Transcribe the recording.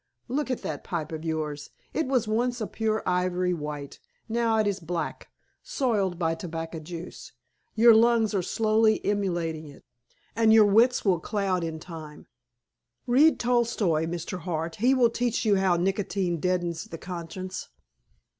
Look at that pipe of yours. It was once a pure ivory white. Now it is black—soiled by tobacco juice. Your lungs are slowly emulating it, and your wits will cloud in time. Read Tolstoi, Mr. Hart. He will teach you how nicotine deadens the conscience."